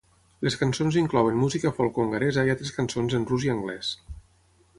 Les cançons inclouen música folk hongaresa i altres cançons en rus i anglès.